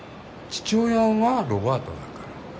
父親がロバートだから。